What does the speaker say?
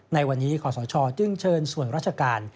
ในวันนี้ขอสชจึงเชิญส่วนราชการ